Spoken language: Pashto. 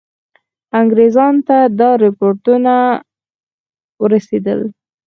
انګرېزانو ته دا رپوټونه ورسېدل.